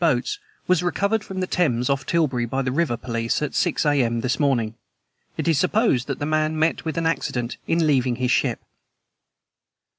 boats, was recovered from the Thames off Tilbury by the river police at six A.M. this morning. It is supposed that the man met with an accident in leaving his ship."